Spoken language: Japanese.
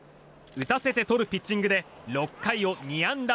打たせてとるピッチングで６回を２安打